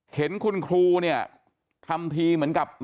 เห็นคุณครูทำทีเหมือนกับ